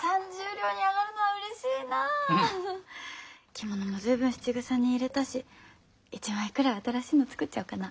着物も随分質草に入れたし一枚くらい新しいの作っちゃおうかな。